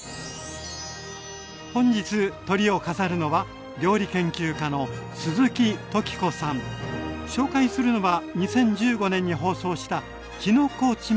本日トリを飾るのは紹介するのは２０１５年に放送したきのこちまき。